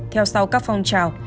theo sau các phong trào